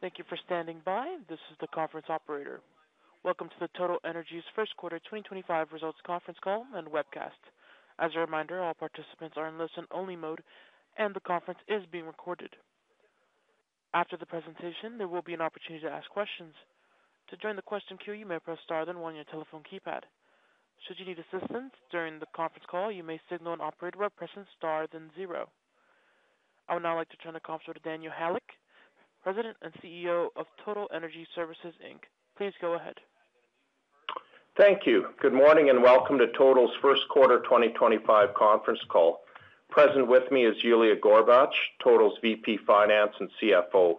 Thank you for standing by. This is the conference operator. Welcome to the Total Energy's First Quarter 2025 Results Conference Call And Webcast. As a reminder, all participants are in listen-only mode, and the conference is being recorded. After the presentation, there will be an opportunity to ask questions. To join the question queue, you may press star then one on your telephone keypad. Should you need assistance during the conference call, you may signal an operator by pressing star then zero. I would now like to turn the conference over to Daniel Halyk, President and CEO of Total Energy Services Inc. Please go ahead. Thank you. Good morning and welcome to Total's First Quarter 2025 Conference Call. Present with me is Yuliya Gorbach, Total Energy Services' VP Finance and CFO.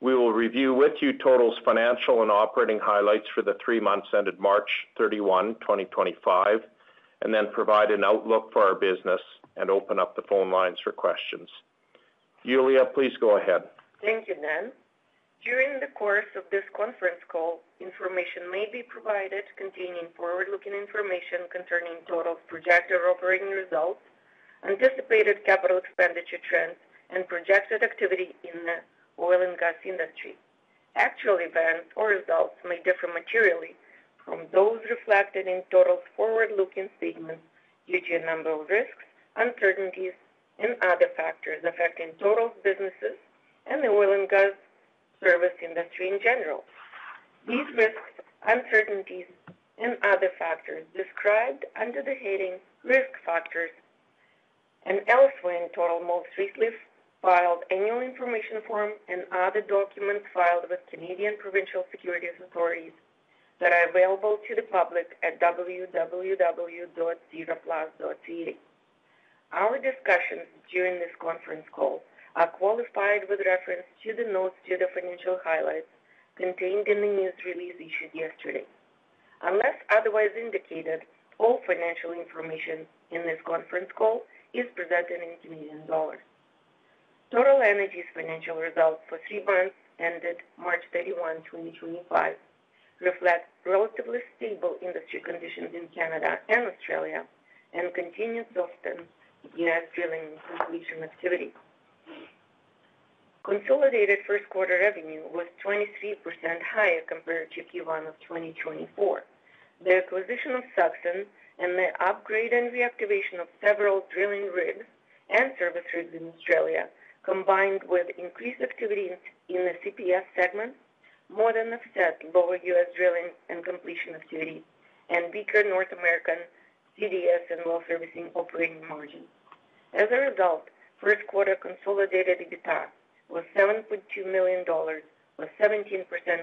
We will review with you Total's financial and operating highlights for the three months ended March 31, 2025, and then provide an outlook for our business and open up the phone lines for questions. Yuliya, please go ahead. Thank you, Nan. During the course of this conference call, information may be provided containing forward-looking information concerning Total's projected operating results, anticipated capital expenditure trends, and projected activity in the oil and gas industry. Actual events or results may differ materially from those reflected in Total's forward-looking statement due to a number of risks, uncertainties, and other factors affecting Total's businesses and the oil and gas service industry in general. These risks, uncertainties, and other factors are described under the heading "Risk Factors" and elsewhere in Total's most recently filed annual information forms and other documents filed with Canadian Provincial Securities Authorities that are available to the public at www.zero-plus.ca. Our discussions during this conference call are qualified with reference to the notes to the financial highlights contained in the news release issued yesterday. Unless otherwise indicated, all financial information in this conference call is presented in Canadian dollar. Total Energy's financial results for three months ended March 31, 2025, reflect relatively stable industry conditions in Canada and Australia and continued Saxon and U.S. drilling completion activity. Consolidated first quarter revenue was 23% higher compared to Q1 of 2024. The acquisition of Saxon and the upgrade and reactivation of several drilling rigs and service rigs in Australia, combined with increased activity in the CPS segment, more than offset lower U.S. drilling and completion activity and weaker North American CDS and Well Servicing operating margins. As a result, first quarter consolidated EBITDA was $7.2 million, 17%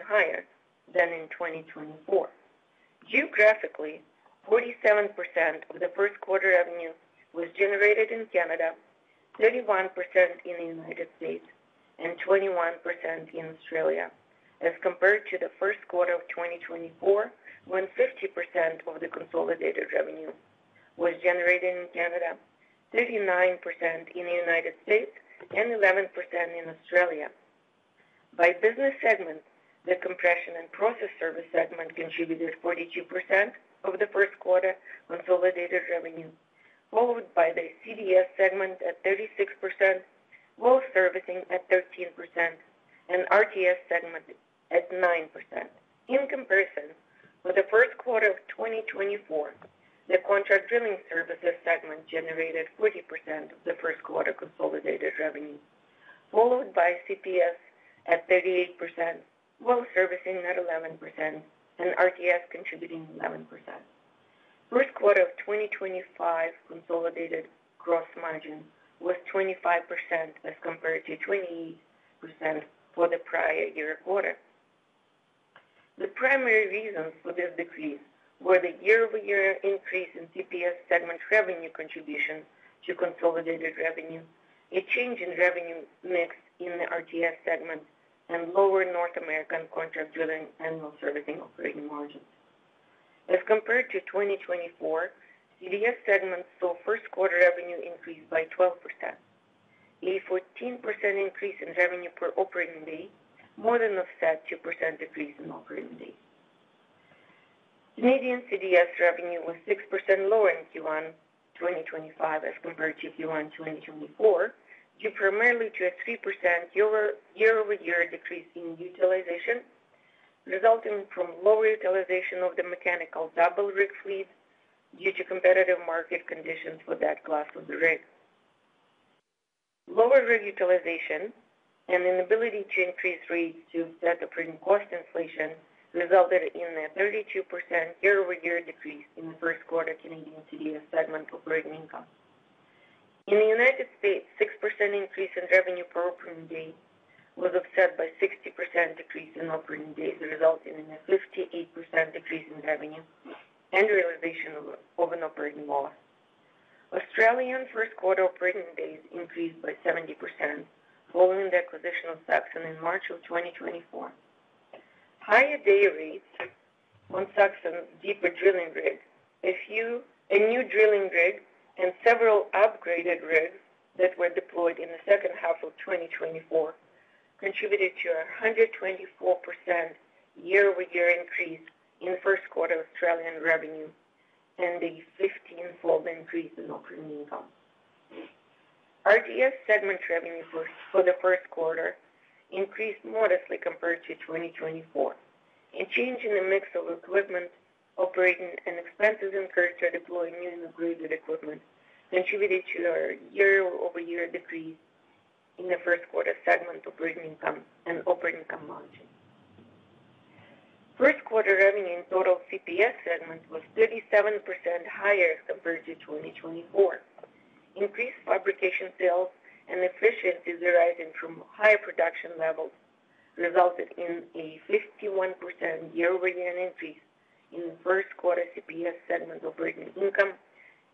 higher than in 2024. Geographically, 47% of the first quarter revenue was generated in Canada, 31% in the United States, and 21% in Australia, as compared to the first quarter of 2024, when 50% of the consolidated revenue was generated in Canada, 39% in the United States, and 11% in Australia. By business segment, the Compression and Process Services segment contributed 42% of the first quarter consolidated revenue, followed by the CDS segment at 36%, Well Servicing at 13%, and RTS segment at 9%. In comparison, for the first quarter of 2024, the Contract Drilling Services segment generated 40% of the first quarter consolidated revenue, followed by CPS at 38%, Well Servicing at 11%, and RTS contributing 11%. First quarter of 2025 consolidated gross margin was 25% as compared to 28% for the prior year quarter. The primary reasons for this decrease were the year-over-year increase in CPS segment revenue contribution to consolidated revenue, a change in revenue mix in the RTS segment, and lower North American Contract Drilling and Well Servicing operating margins. As compared to 2024, CDS segment saw first quarter revenue increase by 12%, a 14% increase in revenue per operating day, more than offset 2% decrease in operating days. Canadian CDS revenue was 6% lower in Q1 2025 as compared to Q1 2024 due primarily to a 3% year-over-year decrease in utilization, resulting from lower utilization of the mechanical double rig fleet due to competitive market conditions for that class of the rig. Lower rig utilization and inability to increase rates to offset operating cost inflation resulted in a 32% year-over-year decrease in the first quarter Canadian CDS segment operating income. In the United States, 6% increase in revenue per operating day was offset by 60% decrease in operating days, resulting in a 58% decrease in revenue and realization of an operating loss. Australian first quarter operating days increased by 70%, following the acquisition of Saxon in March of 2024. Higher day rates on Saxon's deeper drilling rig, a new drilling rig, and several upgraded rigs that were deployed in the second half of 2024 contributed to a 124% year-over-year increase in first quarter Australian revenue and a 15-fold increase in operating income. RTS segment revenue for the first quarter increased modestly compared to 2024. A change in the mix of equipment operating and expenses incurred to deploy newly upgraded equipment contributed to a year-over-year decrease in the first quarter segment operating income and operating income margin. First quarter revenue in Total's CPS segment was 37% higher compared to 2024. Increased fabrication sales and efficiencies arising from higher production levels resulted in a 51% year-over-year increase in the first quarter CPS segment operating income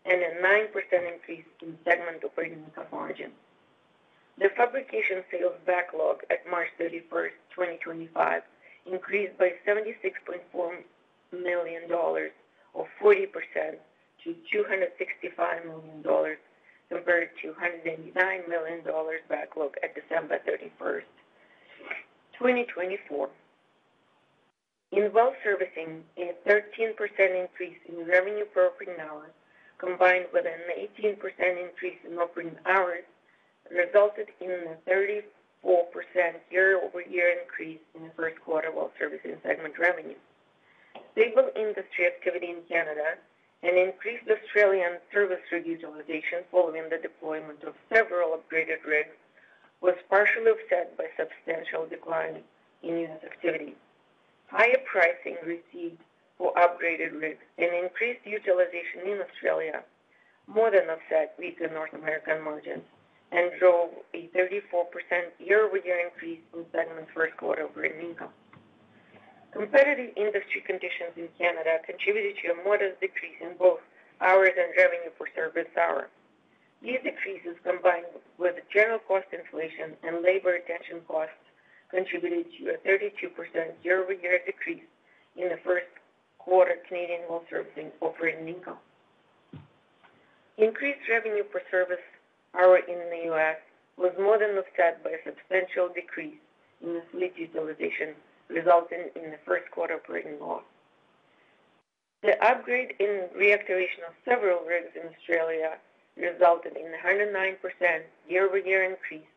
and a 9% increase in segment operating income margin. The fabrication sales backlog at March 31st 2025, increased by CAD 76.4 million, or 40%, to CAD 265 million compared to CAD 189 million backlog at December 31st 2024. In well servicing, a 13% increase in revenue per operating hours, combined with an 18% increase in operating hours, resulted in a 34% year-over-year increase in the first quarter well servicing segment revenue. Stable industry activity in Canada and increased Australian service rig utilization following the deployment of several upgraded rigs was partially offset by substantial decline in unit activity. Higher pricing received for upgraded rigs and increased utilization in Australia more than offset with the North American margins and drove a 34% year-over-year increase in segment first quarter operating income. Competitive industry conditions in Canada contributed to a modest decrease in both hours and revenue per service hour. These decreases, combined with general cost inflation and labor retention costs, contributed to a 32% year-over-year decrease in the first quarter Canadian well servicing operating income. Increased revenue per service hour in the U.S. was more than offset by a substantial decrease in the fleet utilization, resulting in the first quarter operating loss. The upgrade and reactivation of several rigs in Australia resulted in a 109% year-over-year increase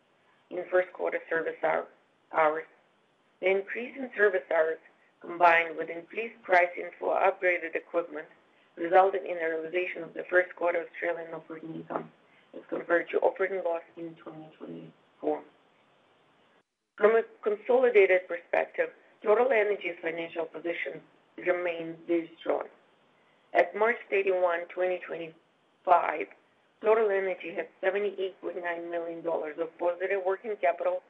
in first quarter service hours. The increase in service hours, combined with increased pricing for upgraded equipment, resulted in the realization of the first quarter Australian operating income as compared to operating loss in 2024. From a consolidated perspective, Total Energy's financial position remained very strong. At March 31, 2025, Total Energy had 78.9 million dollars of positive working capital,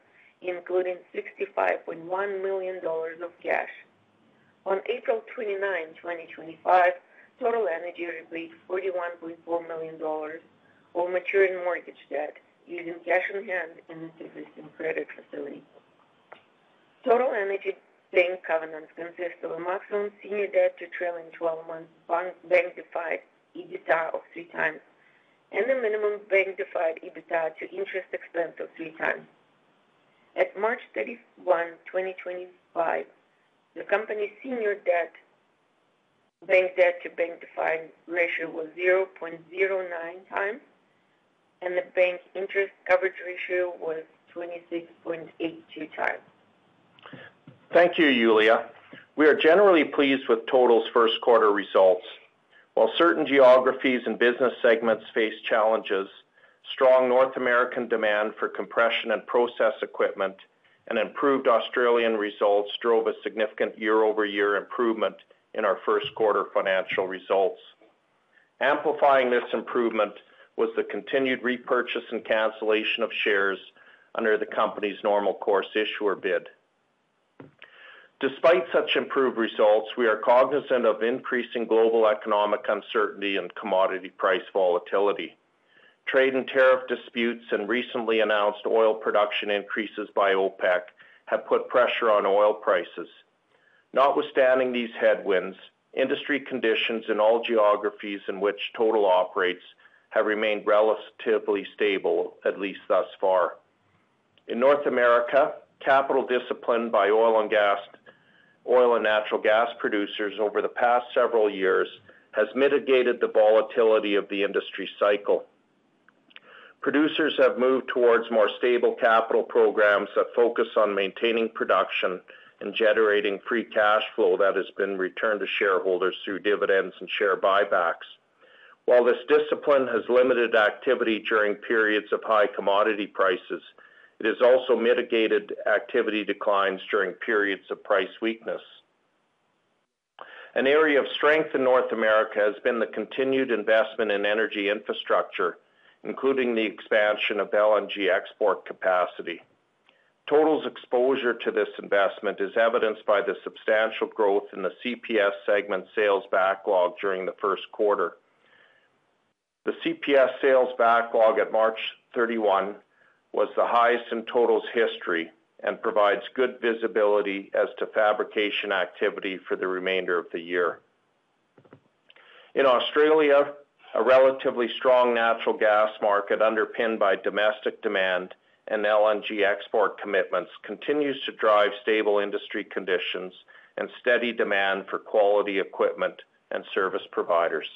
including 65.1 million dollars of cash. On April 29, 2025, Total Energy repaid 41.4 million dollars of maturing mortgage debt using cash on hand in its existing credit facility. Total Energy bank covenants consist of a maximum senior debt to trailing 12-month bank-defined EBITDA of three times and a minimum bank-defined EBITDA to interest expense of three times. At March 31, 2025, the company's senior debt to bank-defined EBITDA ratio was 0.09 times, and the bank interest coverage ratio was 26.82 times. Thank you, Yuliya. We are generally pleased with Total's first quarter results. While certain geographies and business segments faced challenges, strong North American demand for compression and process equipment and improved Australian results drove a significant year-over-year improvement in our first quarter financial results. Amplifying this improvement was the continued repurchase and cancellation of shares under the company's normal course issuer bid. Despite such improved results, we are cognizant of increasing global economic uncertainty and commodity price volatility. Trade and tariff disputes and recently announced oil production increases by OPEC have put pressure on oil prices. Notwithstanding these headwinds, industry conditions in all geographies in which Total operates have remained relatively stable, at least thus far. In North America, capital discipline by oil and natural gas producers over the past several years has mitigated the volatility of the industry cycle. Producers have moved towards more stable capital programs that focus on maintaining production and generating free cash flow that has been returned to shareholders through dividends and share buybacks. While this discipline has limited activity during periods of high commodity prices, it has also mitigated activity declines during periods of price weakness. An area of strength in North America has been the continued investment in energy infrastructure, including the expansion of LNG export capacity. Total's exposure to this investment is evidenced by the substantial growth in the CPS segment sales backlog during the first quarter. The CPS sales backlog at March 31 was the highest in Total's history and provides good visibility as to fabrication activity for the remainder of the year. In Australia, a relatively strong natural gas market underpinned by domestic demand and LNG export commitments continues to drive stable industry conditions and steady demand for quality equipment and service providers.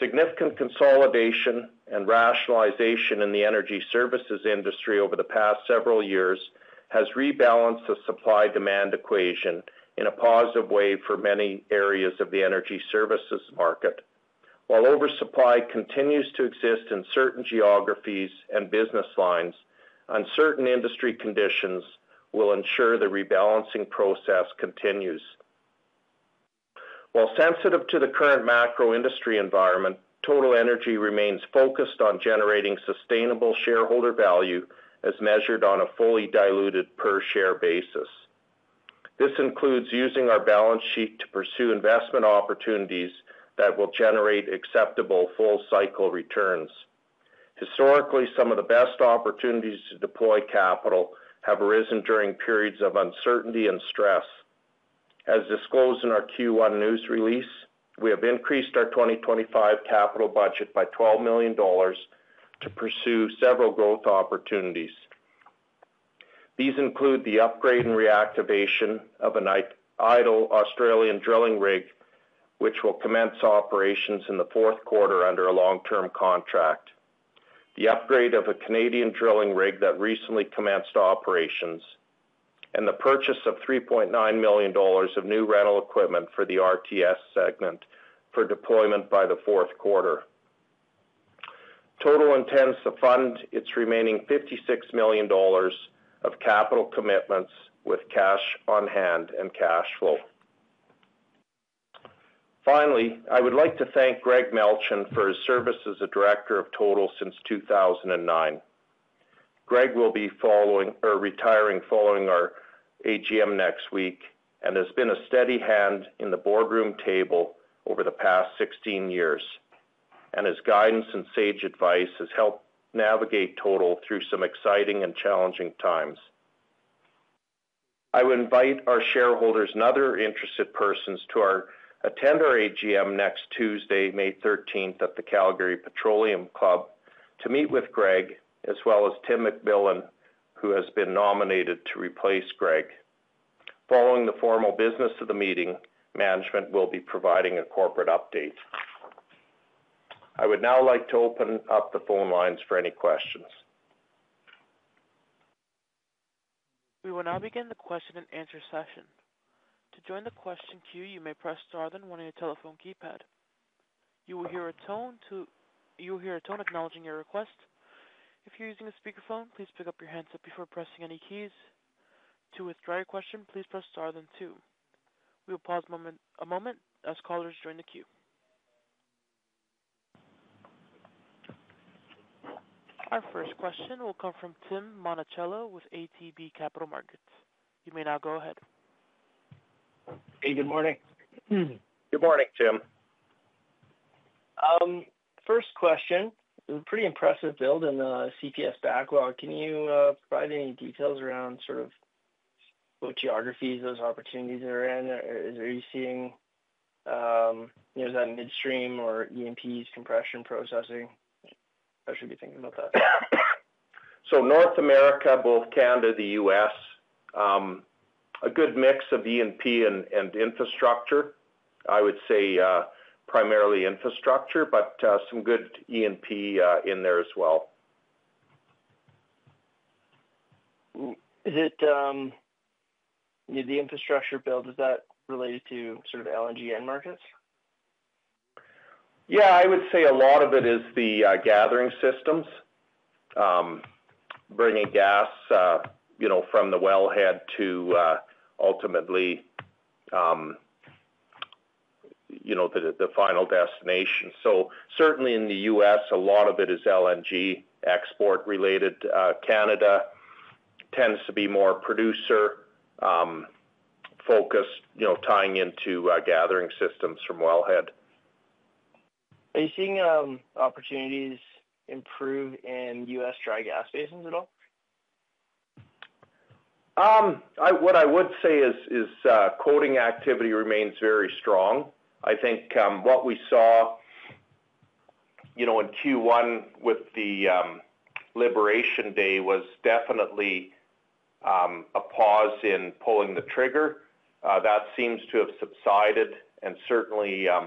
Significant consolidation and rationalization in the energy services industry over the past several years has rebalanced the supply-demand equation in a positive way for many areas of the energy services market. While oversupply continues to exist in certain geographies and business lines, uncertain industry conditions will ensure the rebalancing process continues. While sensitive to the current macro industry environment, Total Energy remains focused on generating sustainable shareholder value as measured on a fully diluted per-share basis. This includes using our balance sheet to pursue investment opportunities that will generate acceptable full-cycle returns. Historically, some of the best opportunities to deploy capital have arisen during periods of uncertainty and stress. As disclosed in our Q1 news release, we have increased our 2025 capital budget by 12 million dollars to pursue several growth opportunities. These include the upgrade and reactivation of an idle Australian drilling rig, which will commence operations in the fourth quarter under a long-term contract, the upgrade of a Canadian drilling rig that recently commenced operations, and the purchase of 3.9 million dollars of new rental equipment for the RTS segment for deployment by the fourth quarter. Total intends to fund its remaining 56 million dollars of capital commitments with cash on hand and cash flow. Finally, I would like to thank Greg Melchin for his service as a director of Total since 2009. Greg will be retiring following our AGM next week and has been a steady hand in the boardroom table over the past 16 years, and his guidance and sage advice have helped navigate Total through some exciting and challenging times. I would invite our shareholders and other interested persons to attend our AGM next Tuesday, May 13th, at the Calgary Petroleum Club to meet with Greg, as well as Tim McMillan, who has been nominated to replace Gregg. Following the formal business of the meeting, management will be providing a corporate update. I would now like to open up the phone lines for any questions. We will now begin the question and answer session. To join the question queue, you may press star then one on your telephone keypad. You will hear a tone acknowledging your request. If you're using a speakerphone, please pick up your handset before pressing any keys. To withdraw your question, please press star then two. We will pause a moment as callers join the queue. Our first question will come from Tim Monachello with ATB Capital Markets. You may now go ahead. Hey, good morning. Good morning, Tim. First question. Pretty impressive build in the CPS backlog. Can you provide any details around sort of what geographies those opportunities are in? Are you seeing is that midstream or E&Ps, compression, processing? I should be thinking about that. North America, both Canada, the U.S., a good mix of E&P and infrastructure. I would say primarily infrastructure, but some good E&P in there as well. Is it the infrastructure build? Is that related to sort of LNG end markets? Yeah, I would say a lot of it is the gathering systems, bringing gas from the wellhead to ultimately the final destination. Certainly in the U.S., a lot of it is LNG export-related. Canada tends to be more producer-focused, tying into gathering systems from wellhead. Are you seeing opportunities improve in U.S. dry gas stations at all? What I would say is quoting activity remains very strong. I think what we saw in Q1 with the Liberation Day was definitely a pause in pulling the trigger. That seems to have subsided. Certainly, as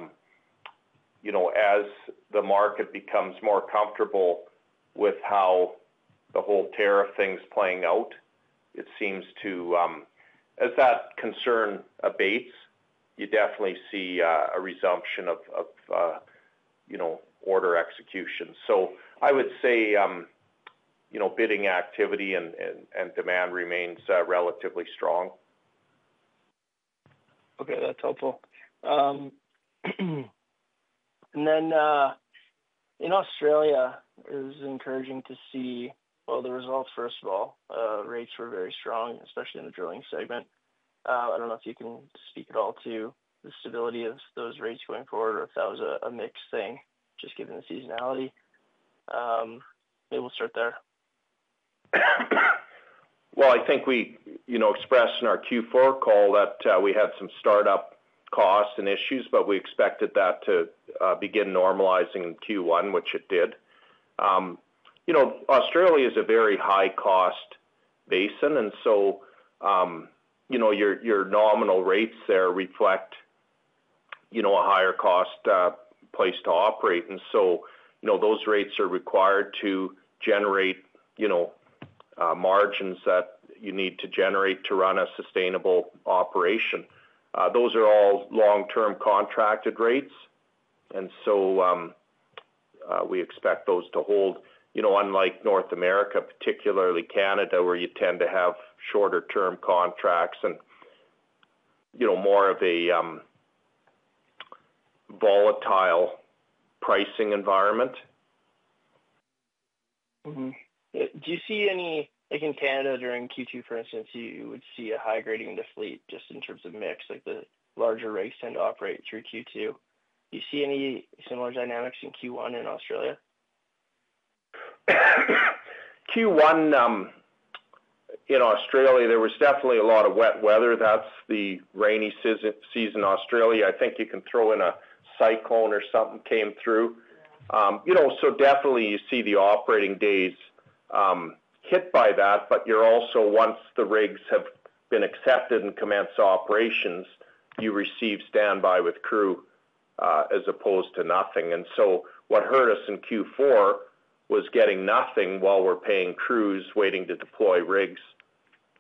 the market becomes more comfortable with how the whole tariff thing's playing out, it seems to, as that concern abates, you definitely see a resumption of order execution. I would say bidding activity and demand remains relatively strong. Okay, that's helpful. In Australia, it was encouraging to see all the results, first of all. Rates were very strong, especially in the drilling segment. I don't know if you can speak at all to the stability of those rates going forward or if that was a mixed thing, just given the seasonality. Maybe we'll start there. I think we expressed in our Q4 call that we had some startup costs and issues, but we expected that to begin normalizing in Q1, which it did. Australia is a very high-cost basin, and your nominal rates there reflect a higher cost place to operate. Those rates are required to generate margins that you need to generate to run a sustainable operation. Those are all long-term contracted rates, and we expect those to hold. Unlike North America, particularly Canada, where you tend to have shorter-term contracts and more of a volatile pricing environment. Do you see any, like in Canada during Q2, for instance, you would see a high gradient of fleet just in terms of mix? The larger rigs tend to operate through Q2. Do you see any similar dynamics in Q1 in Australia? Q1 in Australia, there was definitely a lot of wet weather. That is the rainy season in Australia. I think you can throw in a cyclone or something came through. You definitely see the operating days hit by that, but once the rigs have been accepted and commence operations, you receive standby with crew as opposed to nothing. What hurt us in Q4 was getting nothing while we are paying crews waiting to deploy rigs.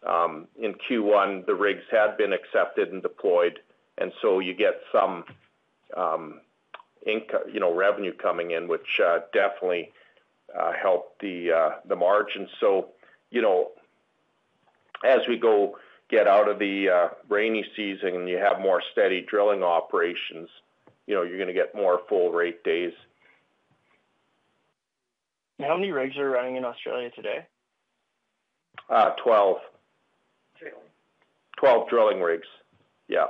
In Q1, the rigs had been accepted and deployed, and you get some revenue coming in, which definitely helped the margins. As we get out of the rainy season and you have more steady drilling operations, you are going to get more full-rate days. How many rigs are running in Australia today? 12. Drilling. Twelve drilling rigs. Yeah.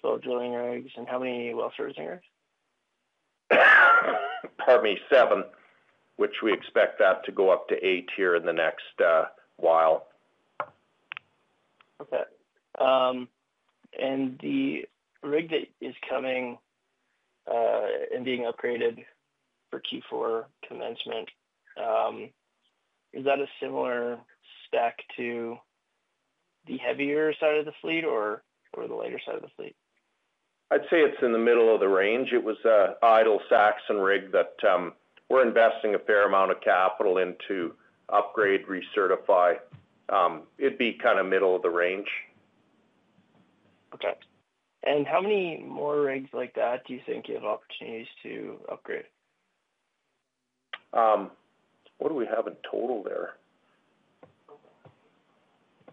Twelve drilling rigs. And how many well-servicing rigs? Pardon me, seven, which we expect that to go up to eight here in the next while. Okay. The rig that is coming and being upgraded for Q4 commencement, is that a similar stack to the heavier side of the fleet or the lighter side of the fleet? I'd say it's in the middle of the range. It was an idle Saxon rig that we're investing a fair amount of capital into to upgrade, recertify. It'd be kind of middle of the range. Okay. How many more rigs like that do you think you have opportunities to upgrade? What do we have in total there?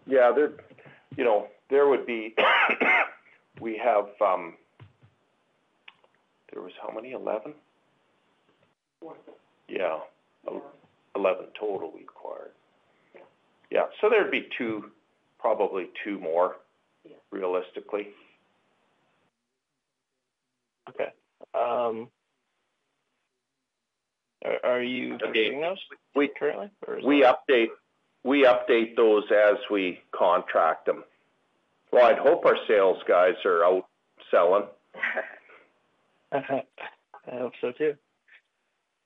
Yeah, there would be, we have, there was, how many? Eleven? Four. Yeah. Eleven total we acquired. Yeah. So there'd be probably two more realistically. Okay. Are you updating those? We update those as we contract them. I'd hope our sales guys are out selling. I hope so too.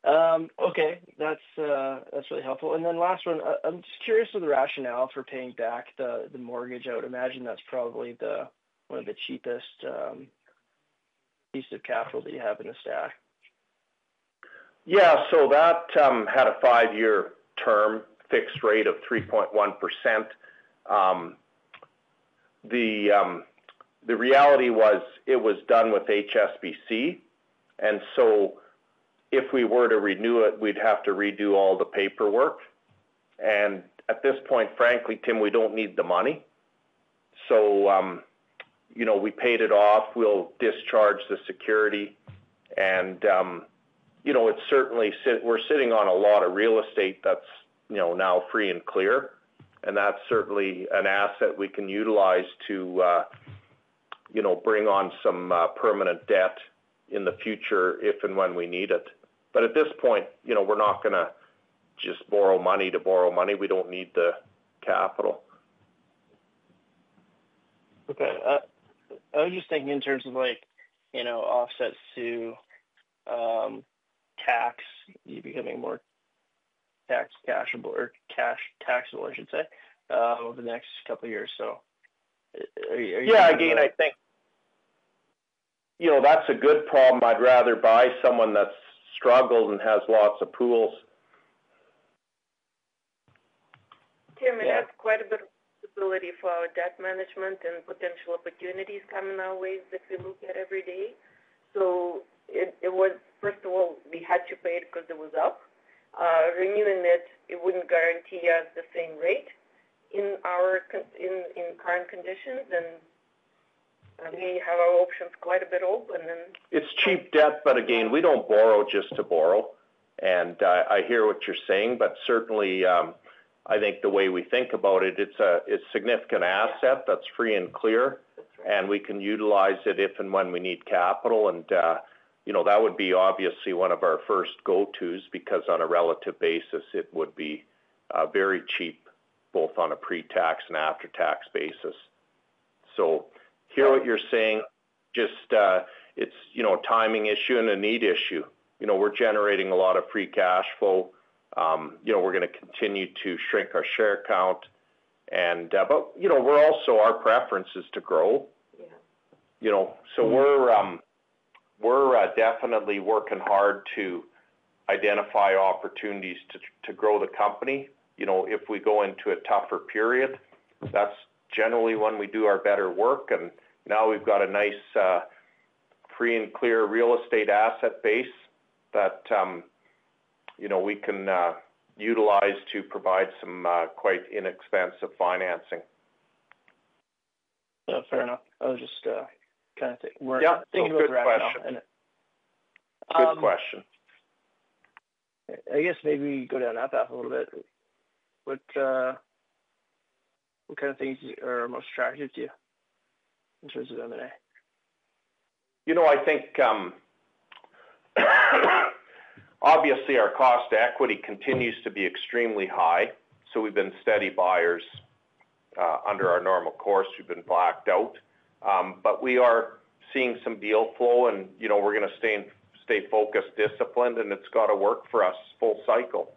Okay. That's really helpful. Then last one, I'm just curious of the rationale for paying back the mortgage. I would imagine that's probably one of the cheapest pieces of capital that you have in the stack. Yeah. That had a five-year term fixed rate of 3.1%. The reality was it was done with HSBC, and if we were to renew it, we'd have to redo all the paperwork. At this point, frankly, Tim, we don't need the money. We paid it off. We'll discharge the security. We're sitting on a lot of real estate that's now free and clear, and that's certainly an asset we can utilize to bring on some permanent debt in the future if and when we need it. At this point, we're not going to just borrow money to borrow money. We don't need the capital. Okay. I was just thinking in terms of offsets to tax, you becoming more taxable or taxable, I should say, over the next couple of years. Are you? Yeah. Again, I think that's a good problem. I'd rather buy someone that struggles and has lots of pools. Tim, we have quite a bit of stability for our debt management and potential opportunities coming our way that we look at every day. First of all, we had to pay it because it was up. Renewing it would not guarantee us the same rate in current conditions, and we have our options quite a bit open. It's cheap debt, but again, we don't borrow just to borrow. I hear what you're saying, but certainly, I think the way we think about it, it's a significant asset that's free and clear, and we can utilize it if and when we need capital. That would be obviously one of our first go-tos because on a relative basis, it would be very cheap both on a pre-tax and after-tax basis. I hear what you're saying. It's a timing issue and a need issue. We're generating a lot of free cash flow. We're going to continue to shrink our share count. We're also, our preference is to grow. We're definitely working hard to identify opportunities to grow the company. If we go into a tougher period, that's generally when we do our better work. We have a nice free and clear real estate asset base that we can utilize to provide some quite inexpensive financing. Fair enough. I was just kind of thinking about the wrap-up. Yeah. Good question. I guess maybe we go down that path a little bit. What kind of things are most attractive to you in terms of M&A? I think obviously our cost equity continues to be extremely high. We have been steady buyers under our normal course. We have been blacked out. We are seeing some deal flow, and we are going to stay focused, disciplined, and it has got to work for us full cycle.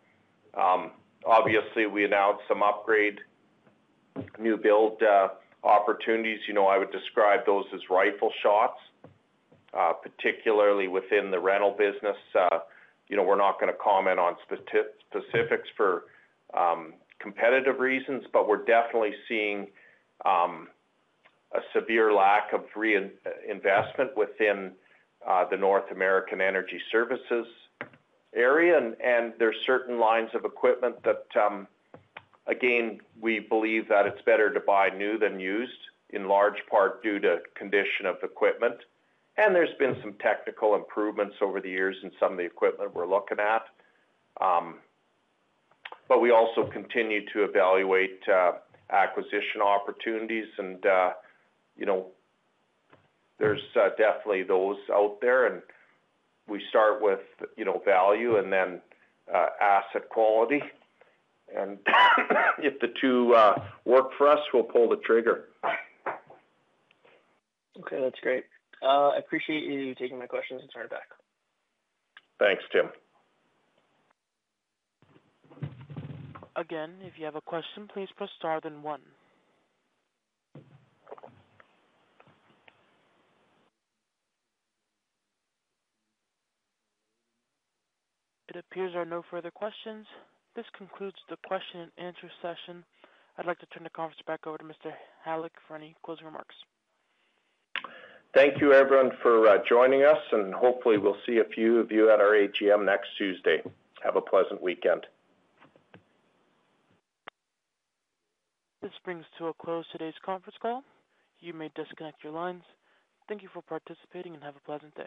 Obviously, we announced some upgrade, new build opportunities. I would describe those as rifle shots, particularly within the rental business. We are not going to comment on specifics for competitive reasons, but we are definitely seeing a severe lack of investment within the North American Energy Services area. There are certain lines of equipment that, again, we believe that it is better to buy new than used in large part due to condition of equipment. There have been some technical improvements over the years in some of the equipment we are looking at. We also continue to evaluate acquisition opportunities, and there's definitely those out there. We start with value and then asset quality. If the two work for us, we'll pull the trigger. Okay. That's great. I appreciate you taking my questions and turning back. Thanks, Tim. Again, if you have a question, please press star then one. It appears there are no further questions. This concludes the question and answer session. I'd like to turn the conference back over to Mr. Halyk for any closing remarks. Thank you, everyone, for joining us, and hopefully we'll see a few of you at our AGM next Tuesday. Have a pleasant weekend. This brings to a close today's conference call. You may disconnect your lines. Thank you for participating and have a pleasant day.